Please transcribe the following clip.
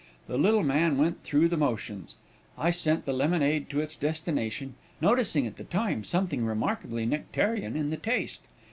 The little man went through the motions. I sent the lemonade to its destination, noticing at the time something remarkably nectarean in the taste.